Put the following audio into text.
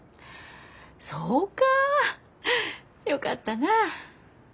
そうかぁよかったな。